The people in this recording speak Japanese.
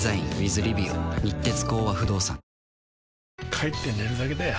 帰って寝るだけだよ